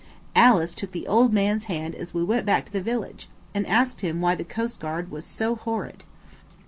Alice took the old man's hand as we went back to the village, and asked him why the coastguard was so horrid.